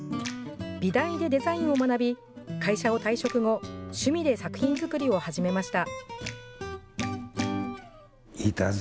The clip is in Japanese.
美大でデザインを学び、会社を退職後、趣味で作品作りを始めました。